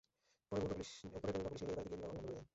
পরে Rebecca police নিয়ে মেয়ের বাড়িতে গিয়ে বিবাহ বন্ধ করে দেন।